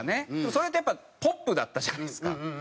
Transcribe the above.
それってやっぱポップだったじゃないですか。